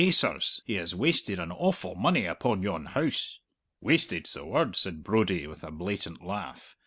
Eh, sirs, he has wasted an awful money upon yon house!" "Wasted's the word!" said Brodie, with a blatant laugh.